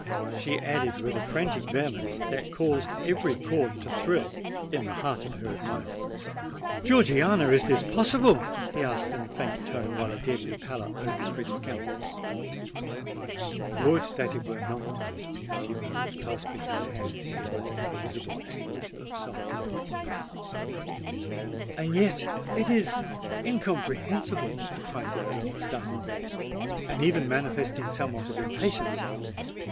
she added with a frantic vehemence that caused every chord to thrill in the heart of her admirer. "Georgiana, is this possible?" he asked, in a faint tone, while a deadly pallor overspread his countenance. "Would that it were not!" she murmured, clasping her hands together in visible anguish of soul. "And yet it is incomprehensible!" cried the Earl, starting back, and even manifesting somewhat of impatience.